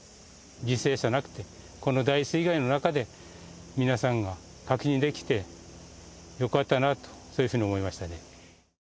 犠牲者なくて、この大水害の中で皆さんが確認できてよかったなと、そういうふうに思いましたね。